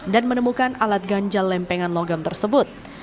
dan menemukan alat ganjal lempengan logam tersebut